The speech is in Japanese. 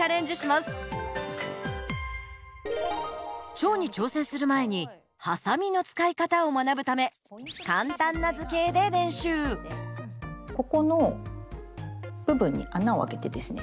蝶に挑戦する前にハサミの使い方を学ぶためここの部分に穴を開けてですね